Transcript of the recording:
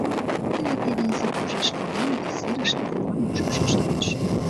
Теве тиде изи кожеш кылден, вес серышке вӱраҥым шупшаш кӱлеш!